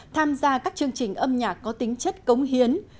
tham gia các chương trình âm nhạc có tính chất cống hiến